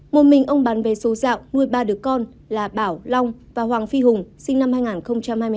một mình ông bán vé số dạo nuôi ba đứa con là bảo long và hoàng phi hùng sinh năm hai nghìn hai mươi hai